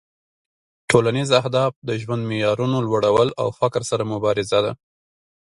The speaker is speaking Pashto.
ټولنیز اهداف د ژوند معیارونو لوړول او فقر سره مبارزه ده